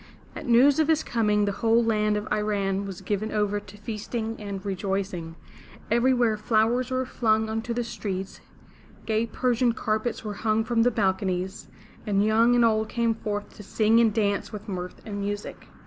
At news of his coming the whole land of I ran' was given over to feasting and rejoicing. Every where flowers were flung into the streets, gay Persian carpets were hung from the balconies, and young and old came forth to sing and dance with mirth and music.